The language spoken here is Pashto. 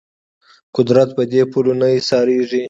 قدرت په دې پولو نه ایسارېږي